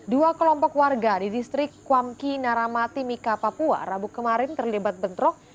dua kelompok warga di distrik kuamki naramatimika papua rabu kemarin terlibat bentrok